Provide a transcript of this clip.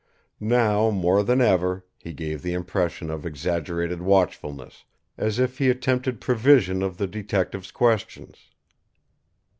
Now, more than ever, he gave the impression of exaggerated watchfulness, as if he attempted prevision of the detective's questions.